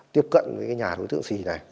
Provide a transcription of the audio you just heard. tiếp cận với nhà đối tượng sì này